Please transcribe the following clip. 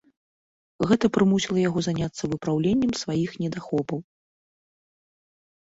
Гэта прымусіла яго заняцца выпраўленнем сваіх недахопаў.